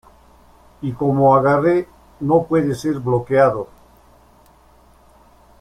Y como agarre, no puede ser bloqueado.